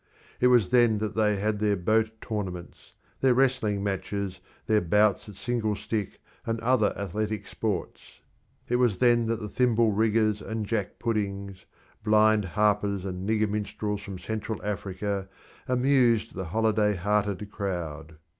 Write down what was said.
It was then that they had their boat tournaments, their wrestling matches, their bouts at single stick and other athletic sports. It was then that the thimble riggers and jack puddings, blind harpers and nigger minstrels from Central Africa, amused the holiday hearted crowd.